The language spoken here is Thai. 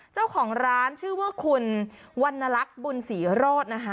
เจ้าของร้านชื่อว่าคุณวันนลักษณ์บุญศรีโรธนะคะ